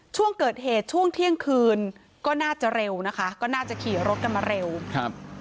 ช่วงเกิดเหตุช่วงเที่ยงคืนก็น่าจะเร็วนะคะก็น่าจะขี่รถกันมาเร็วครับ